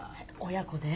親子で？